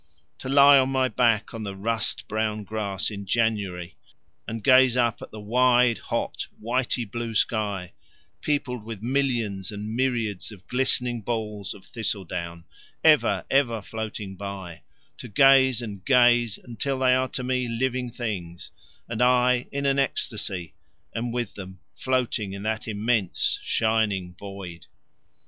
To lie on my back on the rust brown grass in January and gaze up at the wide hot whitey blue sky, peopled with millions and myriads of glistening balls of thistle down, ever, ever floating by; to gaze and gaze until they are to me living things and I, in an ecstasy, am with them, floating in that immense shining void!